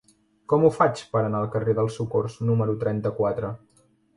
Com ho faig per anar al carrer del Socors número trenta-quatre?